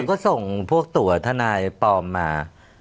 ก็ส่งพวกตัวทนายปลอมมา